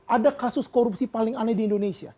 ada kasus korupsi paling aneh di indonesia